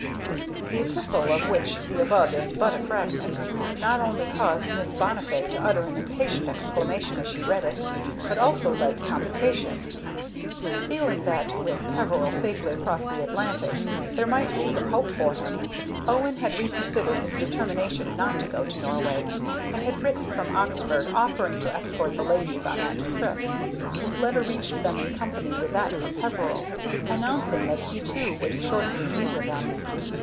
The epistle, of which the above is but a fragment, not only caused Miss Bonnifay to utter an impatient exclamation as she read it, but also led to complications. Feeling that, with Peveril safely across the Atlantic, there might be some hope for him, Owen had reconsidered his determination not to go to Norway, and had written from Oxford, offering to escort the ladies on that trip. His letter reached them in company with that from Peveril announcing that he too would shortly be with them.